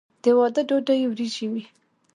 د واده ډوډۍ وریجې وي.